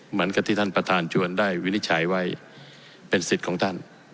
เหมือนกับที่ท่านประธานชวนได้วินิจฉัยไว้เป็นสิทธิ์ของท่าน